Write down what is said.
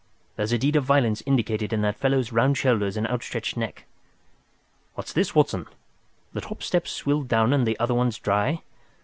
There's a deed of violence indicated in that fellow's round shoulders and outstretched neck. What's this, Watson? The top steps swilled down and the other ones dry.